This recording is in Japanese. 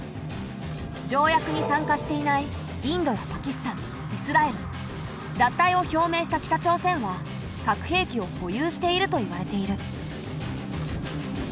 条約に参加していないインドやパキスタンイスラエル脱退を表明した北朝鮮は核兵器を保有しているといわれている。